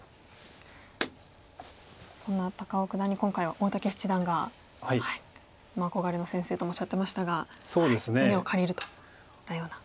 そんな高尾九段に今回は大竹七段が憧れの先生ともおっしゃってましたが胸を借りるといったような。